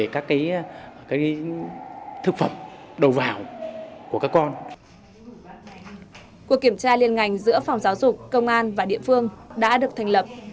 cuộc kiểm tra liên ngành giữa phòng giáo dục công an và địa phương đã được thành lập